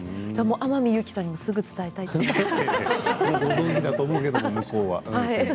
天海祐希さんにすぐ伝えたいと思います。